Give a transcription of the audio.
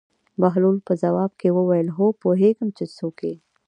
بهلول په ځواب کې وویل: هو پوهېږم چې څوک یې.